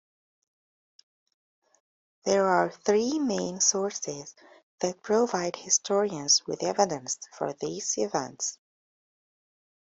There are three main sources that provide historians with evidence for these events.